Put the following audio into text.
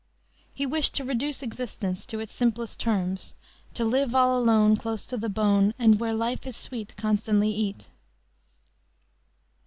He wished to reduce existence to the simplest terms to "live all alone Close to the bone, And where life is sweet Constantly eat."